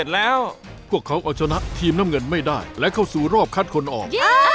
และเข้าสู่รอบคัดคนออก